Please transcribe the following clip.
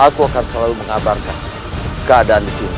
aku akan selalu mengabarkan keadaan disini